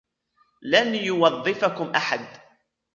لن يوظفكم أحد.